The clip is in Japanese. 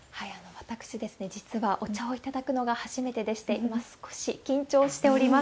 私ですね、実はお茶を頂くのが初めてでして、今、少し緊張しております。